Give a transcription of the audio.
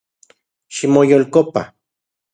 Ximoyolkopa